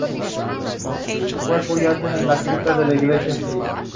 Also this year came the first futsal victories.